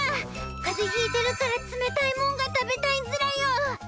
カゼひいてるから冷たいもんが食べたいズラよ。